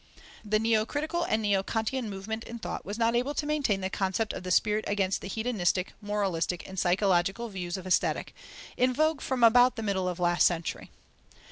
The neo critical and neo Kantian movement in thought was not able to maintain the concept of the spirit against the hedonistic, moralistic, and psychological views of Aesthetic, in vogue from about the middle of last century.